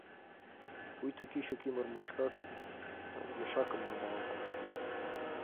Пуйто кӱчык ӱмыр мучкак мешакым нумал коштын.